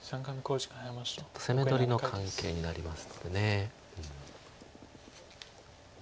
ちょっと攻め取りの関係になりますので。